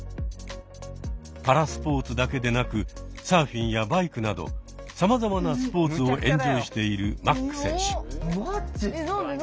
パラスポーツだけでなくサーフィンやバイクなどさまざまなスポーツをエンジョイしているマック選手。